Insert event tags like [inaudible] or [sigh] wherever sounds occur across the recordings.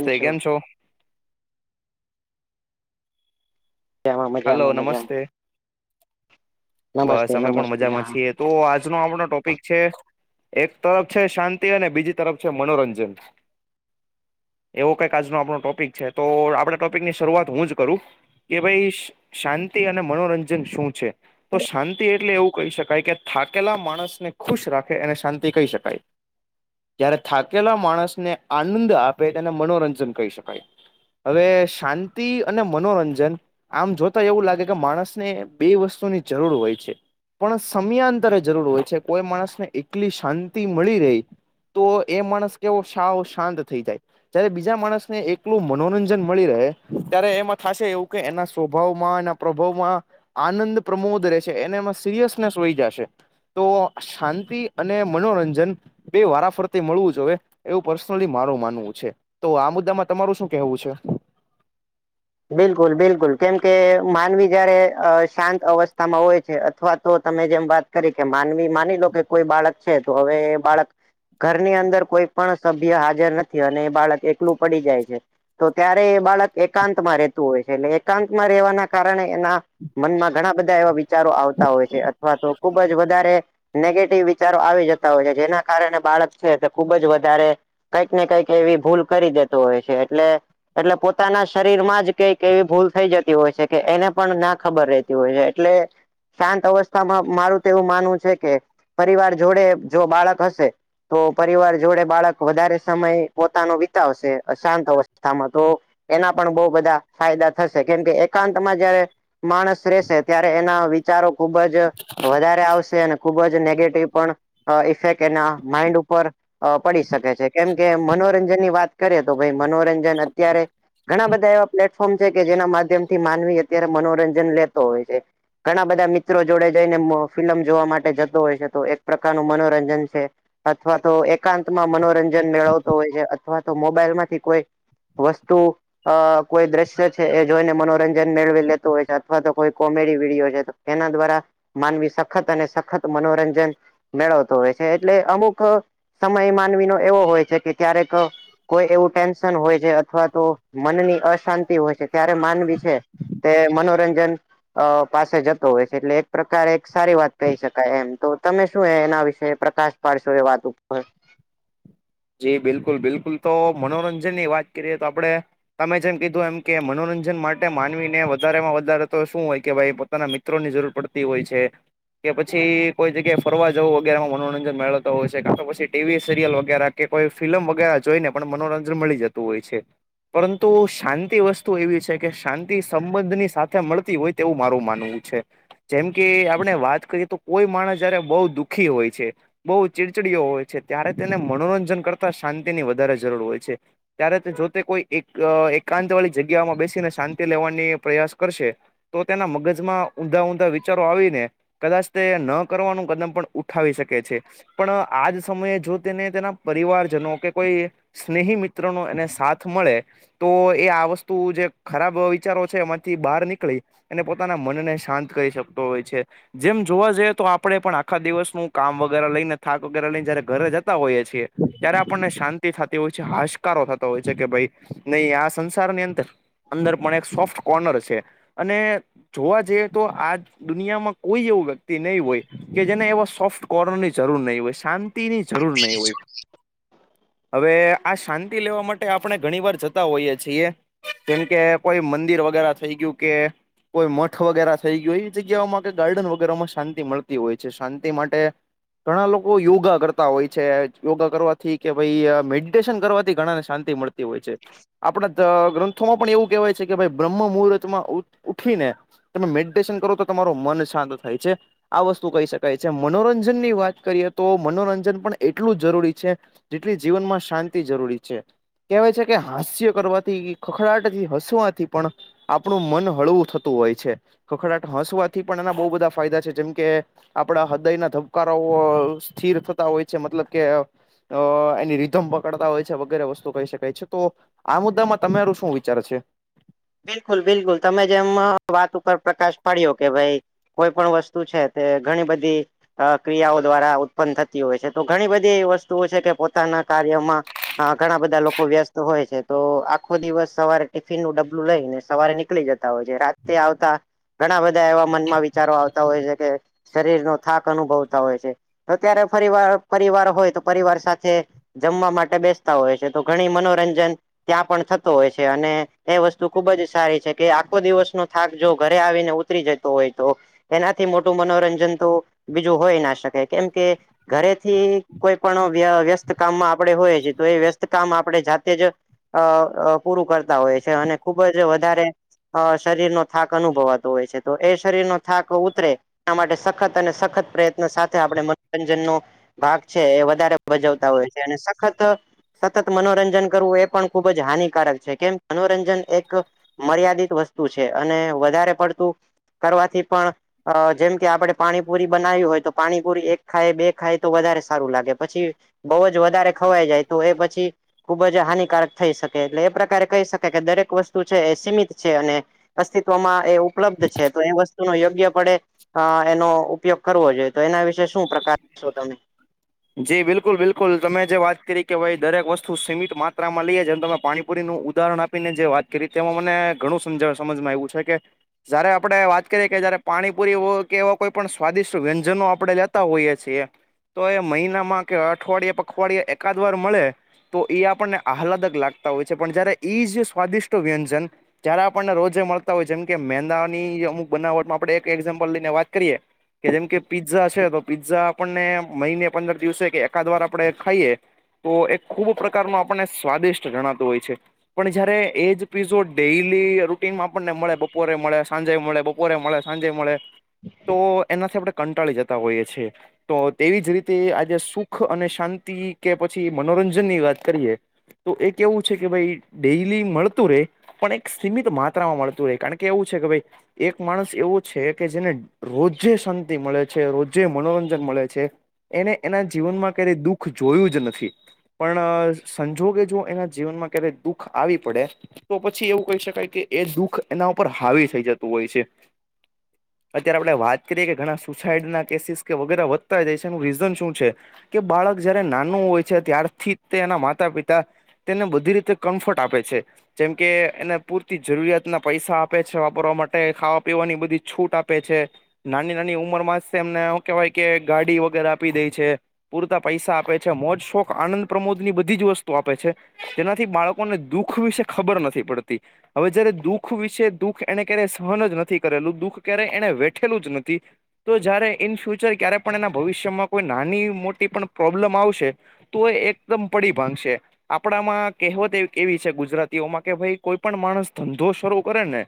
સ્તે કેમ છો? જામાં હલો મજામાં મજામાં. નમસ્તે નમસ્તે બસ અમે પણ નમસ્તે મજામાં હા છીએ તો આજનો આપણો ટોપિક છે એક તરફ છે શાંતિ અને બીજી તરફ છે મનોરંજન. એવો કંઈક આજનો આપણો ટોપિક છે તો આપડે ટોપિકની શરૂઆત હું જ કરું. કે ભઈ શ-શાંતિ અને મનોરંજન શું છે. તો શાંતિ એટલે એવું કહી શકાય કે થાકેલા માણસને ખુશ રાખે એને શાંતિ કહી શકાય. [inaudible] જયારે થાકેલા માણસને આનંદ આપે તેને મનોરંજન કહી શકાય. હવે શાંતિ અને મનોરંજન આમ જોતા એવું લાગે કે માણસને બે વસ્તુની જરૂર હોય છે. પણ સમયાંતરે જરૂર હોય છે. કોઈ માણસને એકલી શાંતિ મળી રહી. તો એ માણસ કેવો સાવ શાંત થઈ જાય. જયારે બીજા માણસને એકલું મનોરંજન મળી રહે ત્યારે એમાં થાશે એવું કે એના સ સ્વભાવમાં એના પ્રભાવમાં આનંદ પ્રમોદ રહે છે. એને એમાં સિરિયસનેસ વહી જાશે. તો શાંતિ અને મનોરંજન બે વારાફરતે મળવું જોવે એવું પર્સનલી મારું માનવું છે. તો આ મુદ્દામાં તમારું શું કેહવુ છે. બિલકુલ બિલકુલ કેમકે માનવી જયારે અ શાંત અવસ્થામાં હોય છે અ થવા તો તમે જેમ વાત કરી કે માનવી માની લો કે કોઈ બાળક છે તો હવે એ બાળક ઘરની અંદર કોઈ પણ સભ્ય હાજર નથી અને એ બાળક એકલું પડી જાય છે. તો ત્યારે એ બાળક એકાંત માં રહેતું હોય છે એટલે એકાંતમાં રહેવાના કારણે એના મનમાં ઘણા બધા એવા વિચારો આવતા હોય છે. અથવા તો ખુબ જ વધારે નેગેટિવ વિચારો આવી જતા હોય છે જેના કારણે બાળક છે તે ખુબ જ વધારે કંઈક ને કંઈક એવી ભૂલ કરી દેતો હોય છે એટલે એટલે પોતાના શરીરમાં જ કઈક એવી ભૂલ થઈ જતી હોય છે. કે એને પણ ના ખબર રહેતી હોય એટલે શાંત અવસ્થામાં મારું તો એવું માનવું છે કે પરિવાર જોડે જો બાળક હશે. તો પરિવાર જોડે બાળક વધારે સમય પોતાનો વિતાવશે અશાંત અવસ્થામાં તો એના પણ બહુ બધા ફાયદા થશે કેમ કે એકાંતમાં જયારે માણસ રહેશે ત્યારે એના વી ચારો ખુબ જ વધારે આવશે અને ખુબ જ નેગેટિવ પણ અ ઇફેક એના માઈન્ડ ઉપર અ પડી શકે છે કેમ કે મનોરંજનની વાત કરે તો ભાઈ મનોરંજન અત્યારે ઘણા બધા એવા પ્લેટફોર્મ છે કે જેના માધ્યમથી [inaudible] માનવી. અત્યારે મનોરંજન લેતો હોય છે. ઘણા બધા મિત્રો જોડે જઈને [unintelligible] ફિલમ જોવા માટે જતો હોય છે તો એક પ્રકારનું મનોરંજન છે. અથવા તો એકાંતમાં મનોરંજન જેમ મેળવતો હોય છે અથવા તો મોબાઈલમાંથી કોઈક વસ્તુ અ કોઈ દ્રશ્ય છે એ જોઈને મનોરંજન મેળવી લેતું હોય છે અથવા તો કોમેડી વિડીયો છે. એના દ્વારા માનવી સખત અને સખત મનોરંજન. મેળવતો હોય છે એટલે અમુક અ સમય માનવીનો એવો હોય છે કે ક્યારેક કોઈક એવું ટેન્શન હોય છે અથવા તો મનની અશાંતિ હોય છે ત્યારે માનવી છે. કે મનોરંજન. અ પાસે જતો હોય છે એટલે એક પ્રકાર એક સારી વાત કહી શકાય એમ તો તમે શું એ એના વિશે [inaudible] પ્રકાશ. મારી [inaudible] સાથે વાત [inaudible] ઉપર. જી બિલકુલ બિલકુલ તો મનોરંજનની વાત કરીએ તો આપડે તમે જેમ કીધું એમ કે મનોરંજન માટે માનવીને વધારેમાં વધારે તો શું હોય કે ભાઈ ઘણા મિત્રોની જરૂર પડતી હોય છે. કે પછી કોઈ જગ્યાએ ફરવા જવું વગેરેમાં મનોરંજન મેળવતો હોય છે કા તો પછી ટીવી સિરિયલ વગેરે કે કોઈ ફિલ્મ વગેરે જોઈને પણ મનોરંજન મળી જતું હોય છે. પરંતુ શાંતિ વસ્તુ એવી છે કે શાંતિ સંબંધની સાથે મળતી [inaudible] હોય તેવું મારું માનવું છે. જેમ કે આપણે વાત કરીએ તો કોઈ માણસ જયારે બહુ દુઃખી હોય છે. બહુ ચિડચિડીઓ હોય છે. ત્યારે તેને મનોરંજન કરતા શાંતિની વધારે જરૂર હોય છે. ત્યારે તે જો તે કોઈ એક એકાંત વાળી જગ્યામાં બેસીને શાંતિ લેવાની પ્રયાસ કરશે તો તેના મગજમાં ઊંધા ઊંધા વિચારો આવી ને કદાચ તે ન કરવાનું કદમ પણ ઉઠાવી શકે છે પણ આજ સમયે જો તેને [inaudible] તેના પરિવારજનો કે કોઈ સ્નેહીમિત્રનો એને સાથ મળે તો એ આ વસ્તુ જે ખરાબ વિચારો છે એમાંથી નીકળે. એને પોતાના મનને શાંત કરી શકતો હોય છે. જેમ જોવા જઈએ તો આપણેે પણ આખા દિવસનું કામ વગેરે લઈને થાક વગેરે લઈને જયારે ઘરે જતા હોઈએ છીએ. ત્યારે આપણને શાંતિ થતી હોય છે હાશકારો થતો હોય છે કે ભાઈ નહી આ સંસારની અંદર. અંદર પણ એક સોફ્ટ કોર્નર હશે અને. જોવા જઈએ તો આજ દુનિયામાં કોઈ એવું વ્યક્તિ નહી હોય કે જેને એવા સોફ્ટ કોર્નરની જરૂર નહી હોય શાંતિની જરૂર નહી હોય. [inaudible] હવે આ શાંતિ લેવા માટે આપણે ઘણી વાર જતા હોઈએ છીએ. જેમ કે કોઈ મંદિર વગેરા થઈ ગયું કે. કોઈ મઠ વગેરા થઈ ગયું ઓય એવી જગ્યાઓમાં કે ગાર્ડન વગેરેમાં શાંતિ મળતી હોય છે શાંતિ માટે ઘણા લોકો યોગા કરતા હોય છે. યોગા કરવાથી કે ભાઈ મેડિટેશન કરવાથી ઘણાને મળતી હોય છે. આપણા જ અ ગ્રંથોમાં પણ એવું કહેવાય છે કે ભાઈ બ્રહ્મ મુહૂર્તમાં ઉઠીએને તમે મેડિટેશન કરો તો તમારુ મન શાંત થાય છે. આ વસ્તુ કહી શકાય છે મનોરંજનની વાત કરીએ તો મનોરંજન પણ [inaudible] એ એટલું જરૂરી છે જેટલી જીવનમાં શાંતિ જરૂરી છે. કહેવાય છે કે હાસ્ય કરવાથી ખખડાટથી હસવાથી પણ આપણું મન હળવું થતું હોય છે ખખડાટ હસવાથી પણ એના બહુ બધા ફાયદા છે જેમ કે આપડા હૃદયના ધબકારાઓ [inaudible] સ્થિર થતા હોય છે મતલબ કે અ એની રીધમ પકડતા હોય છે. વગેરે વસ્તુ કહી શકાય છે તો આ મુદ્દામાં તમારું શું વિચાર છે? બિલકુલ બિલકુલ. તમે જેમ વાત ઉપર પ્રકાશ પડ્યો કે ભાઈ કોઈ પણ વસ્તુ છે તે ઘણી બધી અ ક્રિયાઓ દ્વારા ઉત્પન્ન થતી હોય છે. તો ઘણી બધી એવી વસ્તુઓ છે કે પોતાના કાર્યમાં હા ઘણા બધા લોકો વ્યસ્ત હોય છે. તો આખો દિવસ સવારે ટિફિનનું ડ લઈને સવારે નીકળી જતાં હોય છે રાત્રે આવતાં ઘણાં બધાં એવા મનમાં વિચારો આવતા હોય છે કે શરીર નો થાક અનુભવતા હોય છે. અત્યારે પરિવાર પરિવાર હોય તો પરિવાર સાથે જમવા માટે બેસતા હોય છે તો ઘણી મનોરંજન ત્યાં પણ થતું હોય છે અને એ વસ તો ખુબ જ સારી છે કે આખો દિવસનો થાક જો ઘરે આવીને ઉતરી જતો હોય તો એનાથી મોટું મનોરંજન તો બીજું હોય ના શકે કેમ કે ઘરેથી કોઈ પણ વ્યસ્ત કામમાં આપણેે હોય છીએ તો એ વ્યસ્ત કામ આપણે જાતે જ અ પૂરું કરતાં હોય છે અને ખુબ જ વધારે અ શરીર નો થાક અનુભવાતો હોય છે. તો એ શરીર નો થાક ઉતરે. એ માટે સખત અને સખત પ્રયત્ન સાથે આપણે મનોરંજનનો ભાગ છે એ વધારે ભજવતાં હોય છે. અને સખત સતત મનોરંજન કરવું એ પણ ખૂબજ હાનિકારક છે કેમ મનોરંજ એક મર્યાદિત વસ્તુ છે અને વધારે પડતું કરવાથી પણ અ જેમ કે આપણે પાણીપુરી બનાવી હોય તો પાણીપુરી એક ખાય બે ખાય તો વધારે સારું લાગે પછી બઉ જ વધારે ખવાઈ જાય તો એ પછી ખુબ જ હાનિકારક થઈ શકે એટલે એ પ્રકારે કહી શકે કે દરેક વસ્તુ છે એ સીમિત છે. અને અસ્તિત્વમાં એ ઉપલબ્ધ છે. તો એ વસ્તુ માં યોગ્ય પડે અહ એનો ઉપયોગ કરવો જોઈએ તો એના વિશે શું પ્રકારશો તમે? જી બિલકુલ બિલકુલ તમે જે વાત કરી કે ભાઈ દરેક વસ્તુ સીમિત માત્રામાં લઈએ જેમ તમે પાણીપુરીનું ઉદાહરણ આપી. પીને જે વાત કરી તેમાં મને ઘણું સમજાવ સમજમાં આવું છે કે જયારે આપડે વાત કરીએ કે જયારે પાણીપુરી હો કે એવા કોઈ પણ સ્વાદિષ્ટ વ્યંજનો આપડે લેતા હોઈએ છીએ તો એ મહિના માં કે અઠવાડિયે પખવાડિયે એકાદ વાર મળે. તો એ આપણને આહલાદક લાગતા હોય છે. પણ જયારે એ જ સ્વાદિષ્ટ વ્યંજન જયારે આપણને રોજે મળતા હોય છે. જેમ કે મેંદાની અમુક બનાવટમાં આપણે એક એક્ઝામ્પલ લઈને વાત કરીએ. કે જેમ કે પીઝા છે તો પીઝા આપણને મહિને પંદર દિવસે કે એકાદ વાર આપણે ખાઈએ. તો એ ખૂબ પ્રકારનું આપણને સ્વાદિષ્ટ જણાતું હોય છે. પણ જયારે એજ પીઝો ડેલી રૂટીનમાં આપણે મળે બપોરે મળે સાંજે મળે. બપોરે મળે સાંજે મળે તો એનાથી આપણે કંટાળી જતાં હોઈએ છીએ તો તેવી જ રીતે તેઆજે સુખ અને શાંતિ કે મનોરંજનની વાત કરીએ. તો એ કેવું છે. કે ભાઈ ડેલી મળતું રે પણ એક સીમિત માત્રામાં મળતું રહે કારણ કે એવું છે કે ભાઈ એક માણસ એવો છે કે જેને રોજે શાંતિ મળે છે. રોજે મનોરંજન મળે છે. એને એના જીવનમાં ક્યારેય દુઃખ જોયું જ નથી. પણ સંજોગે જો એના જીવનમાં ક્યારેય દુઃખ આવી પડે. તો પછી એવું કહી શકાય કે એ દુઃખ એના ઉપર હાવી થઈ જતું હોય છે. અત્યારે આપણે વાત કરીએ કે ઘણા સુસાઈડ નાં કેસિસ કે વગેરે વધતા જાય છે. એનુ રીઝન શું છે કે બાળક જયારે નાનું હોય છે. ત્યારથી તે એના માતા પિતા તેને બધી રીતે કમ્ફર્ટ આપે છે. જેમ કે એને પૂરતી જરૂરિયાત ના પૈસા આપે છે. વાપરવા માટે ખાવા પીવાની બધી છૂટ આપે છે નાની નાની ઉંમરમાં જ એમને કેવાય કે ગાડી વગેરે આપી દે છે. પૂરતા પૈસા આપે છે. મોજ શોખ આનંદ પ્રમોદ ની બધી જ વસ્તુ આપે છે. તેનાથી બાળકોને દુઃખ વિશે ખબર નથી પડતી. હવેછેને જયારે દુઃખ વિશે દુઃખ એને ક્યારેય સહન જ નથી કરેલું દુઃખ ક્યારેય એને વેઠેલું જ નથી. તો જયારે ઈન ફ્યુચર ક્યારે પણ એના ભવિષ્યમાં કોઈ નાની મોટી પણ પ્રોબ્લમ આવશે. તો એકદમ પડી ભાંગશે. આપડામાં કહેવત એવી કેવી કે ગુજરાતી ઓમા ભાઈ કોઈ પણ માણસ ધંધો શરૂ કરે ને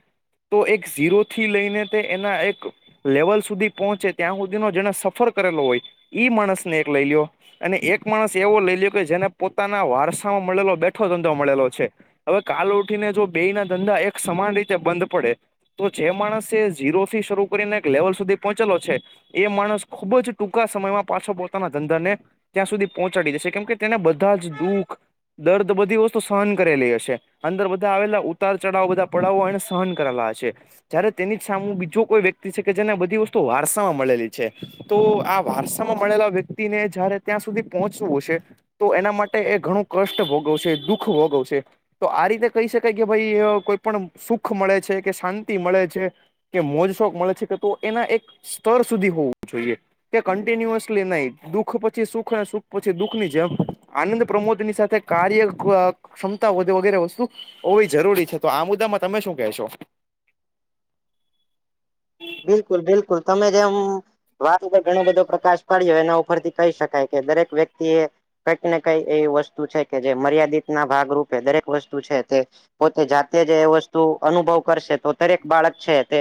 તો એક ઝીરો થી લઈને તે એના એક લેવલ સુધી પહોંચે ત્યાં સુધીનો જેને સફર કરેલો હોય ઈ માણસને એક લઈ લ્યો અને એક માણસ એવો લઈ ‌લ્યો કે જેને પોતાના વારસા હા મતલબ આ બેઠો ધંધો મળેલો છે. હવે કાલ ઉઠીને જો બેઈના ધંધા એક સમાન રીતે બંધ પડે તો જે માણસએ ઝીરો થી શરૂ કરીને એક લેવલ સુધી પહોંચેલો છે, એ માણસ ખુબ જ ટૂંકા સમયમાં પાછો પોતાના ધંધા ને ત્યાં સુધી પહોંચાડી જશે. કેમ કે તેને બધા જ દુઃખ, દર્દ બધી વસ્તુ સહન કરેલી હશે. અંદર બધા આવેલા ઉતાર ચઢાવ બધા પડાવો એને સહન કરેલા હશે. જયારે તેની જ સામું બીજુ કોઈ વ્યક્તિ છે કે જેને બધી વસ્તુ વારસામાં મળેલી છે. તો આ વારસામાં મળેલા વ્યક્તિને જયારે ત્યાં સુધી પહોંચવું હશે તો એના માટે એ ઘણું કષ્ટ ભોગવશે, દુઃખ ભોગવશે. તો આ રીતે કહી શકાય કે ભાઈ કોઈ પણ સુખ મળે છે, કે શાંતિ મળે છે. કે મોજ શોખ મળે છે કે તો એના એક સ્તર સુધી હોવું જોઈએ. તે કન્ટિન્યુઅસલી નહી. દુઃખ પછી સુખ અને સુખ પછી દુઃખ ની જેમ આનંદ પ્રમોદની સાથે કાર્ય ક્ષમતા વધે વગેરે વસ્તુ હોવી જરૂરી છે. તો આ મુદ્દામાં તમે શું કહેશો? બિલકુલ બિલકુલ. તમે જેમ વાત ઉપર ઘણો બધો પ્રકાશ પાડ્યો એના ઉપરથી કહી શકાય કે દરેક વ્યક્તિએ કંઈક ને કઈ એવી વસ્તુ છે કે જે મર્યાદિતના ભાગરૂપે દરેક વસ્તુ છે તે પોતે જાતે જ એ વસ્તુ અનુભવ કરશે તો દરેક બાળક છે તે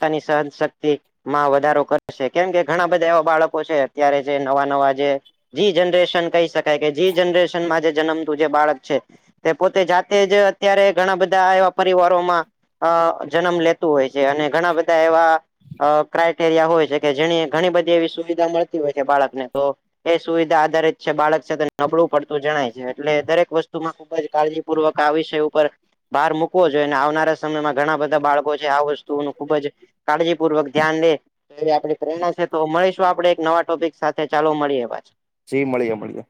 પોતાની સહન શક્તિ માં વધારો કરશે. કેમ કે ઘણા બધા એવા બાળકો છે અત્યારે જે નવા નવા જે જી જનરેશન કહી શકાય કે જી જનરેશનમાં જે જન્મતું જે બાળક છે. તે પોતે જાતે જ અત્યારે ઘણા બધા એવા પરિવારોમાં અ જન્મ લેતું હોય છે. અને ઘણા બધા એવા અ ક્રાઈટેરિયા હોય છે કે જેની ઘણી બધી એવી સુવિધા મળતી હોય છે બાળકને તો એ સુવિધા આધારિત છે બાળક છે તે નબળું પડતું જણાય છે. એટલે દરેક વસ્તુમાં ખુબ જ કાળજી પૂર્વક આ વિષય ઉપર ભાર મૂકવો જોઈએ ને આવનારા સમયમાં ઘણા બધા બાળકો છે આ વસ્તુુઓનું ખુબ જ કાળજીપૂર્વક ધ્યાન દે. એવી આપણી પ્રેરણા છે. તો મળીશું આપડે એક નવા ટોપિક સાથે ચાલો મળીએ પાછા. જી મળીએ મળીએ.